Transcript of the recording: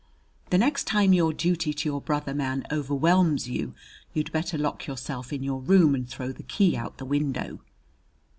The next time your duty to your brother man overwhelms you, you'd better lock yourself in your room and throw the key out the window."